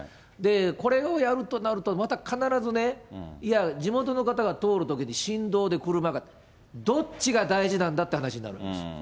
これをやるとなると、また必ずね、いや、地元の方が通るときに振動で車が、どっちが大事なんだって話なんです。